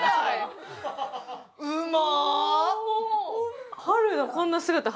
うま。